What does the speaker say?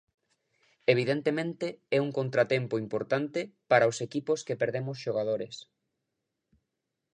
Evidentemente é un contratempo importante para os equipos que perdemos xogadores.